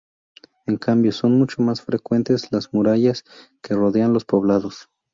En cambio, son mucho más frecuentes las murallas, que rodean los poblados.